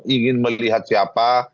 ingin melihat siapa